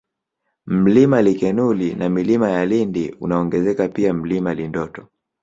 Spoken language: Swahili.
Mlima Likenuli na Milima ya Lindi unaongezeka pia Mlima Lindoto